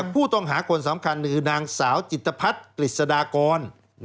ผู้ต้องหาคนสำคัญคือนางสาวจิตภัทรกฤษฎากร